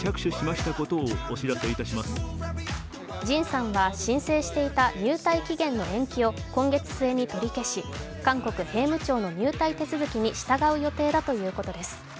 ＪＩＮさんは、申請していた入隊期限の延期を今月末に取り消し韓国・兵務庁の入隊手続きに従う予定だということです。